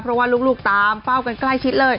เพราะว่าลูกตามเฝ้ากันใกล้ชิดเลย